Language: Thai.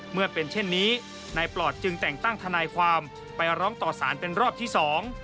เมื่อเป็นเช่นนี้นายปลอดจึงแต่งตั้งทนายความไปร้องต่อสารเป็นรอบที่สอง